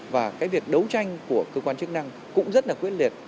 và cái việc đấu tranh của cơ quan chức năng cũng rất là quyết liệt